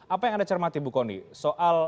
apa yang anda cermati bu kony soal